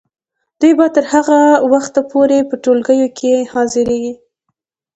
دوی به تر هغه وخته پورې په ټولګیو کې حاضریږي.